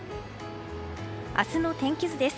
明日の天気図です。